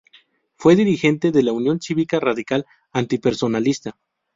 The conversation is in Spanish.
Fue dirigente de la Unión Cívica Radical Antipersonalista.